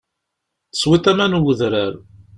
Teswiḍ aman n wedrar.